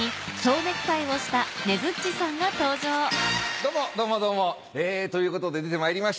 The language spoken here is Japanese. どうもどうもどうもということで出てまいりました。